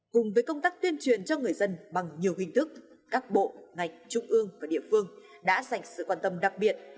cùng với công tác tuyên truyền cho người dân bằng nhiều hình thức các bộ ngành trung ương và địa phương đã dành sự quan tâm đặc biệt